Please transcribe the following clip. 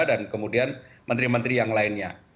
dan kemudian menteri menteri yang lainnya